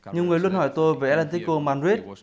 nhưng người luôn hỏi tôi về atlético madrid